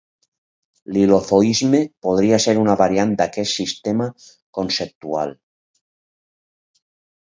L'hilozoisme podria ser una variant d'aquest sistema conceptual.